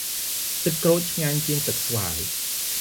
ទឹកក្រូចឆ្ងាញ់ជាង ទឹកស្វាយ។